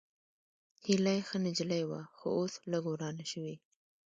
هېلۍ ښه نجلۍ وه، خو اوس لږ ورانه شوې